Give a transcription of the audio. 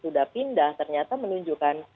sudah pindah ternyata menunjukkan